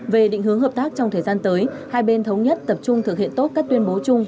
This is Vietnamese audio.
về định hướng hợp tác trong thời gian tới hai bên thống nhất tập trung thực hiện tốt các tuyên bố chung